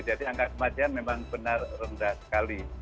jadi angka kematian memang benar rendah sekali